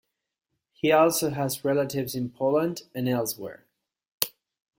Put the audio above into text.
He also has relatives in Poland and elsewhere.